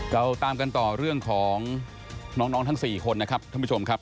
เราตามกันต่อเรื่องของน้องทั้ง๔คนนะครับท่านผู้ชมครับ